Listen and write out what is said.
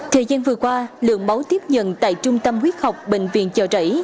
thời gian vừa qua lượng máu tiếp nhận tại trung tâm huyết học bệnh viện chợ rẫy